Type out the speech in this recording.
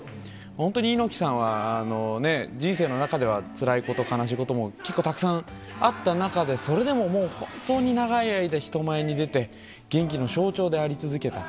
本当に猪木さんは、人生の中では、つらいこと、悲しいことも、結構たくさんあった中で、それでももう本当に長い間、人前に出て、元気の象徴であり続けた。